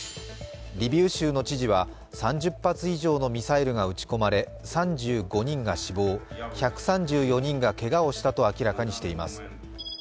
リビウ州の知事は３０発以上のミサイルが撃ち込まれ３５人が死亡、１３４人がけがをしたと明らかにしています。